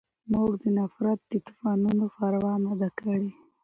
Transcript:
مونږ د نفرت د طوپانونو پروا نه ده کړې